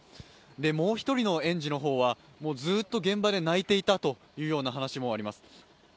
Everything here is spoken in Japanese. もう１人の園児は、ずっと現場で泣いていたという話もあります。